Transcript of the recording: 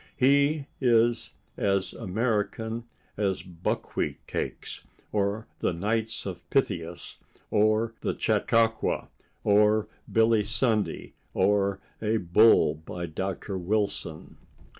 He is as American as buckwheat cakes, or the Knights of Pythias, or the chautauqua, or Billy Sunday, or a bull by Dr. Wilson.